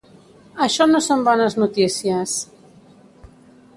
Això no són bones notícies.